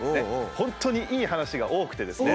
本当にいい話が多くてですね